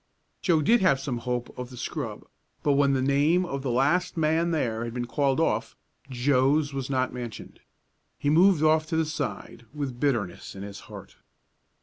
Joe did have some hope of the scrub, but when the name of the last man there had been called off, Joe's was not mentioned. He moved off to the side, with bitterness in his heart.